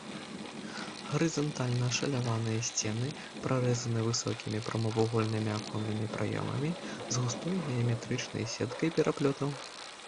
Гарызантальна ашаляваныя сцены прарэзаны высокімі прамавугольнымі аконнымі праёмамі з густой геаметрычнай сеткай пераплётаў.